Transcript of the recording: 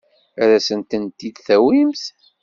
Ad asent-tent-id-tawimt?